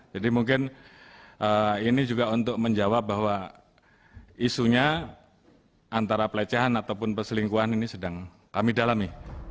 jadi mungkin ini juga untuk menjawab bahwa isunya antara pelecehan ataupun perselingkuhan ini sedang kami dalami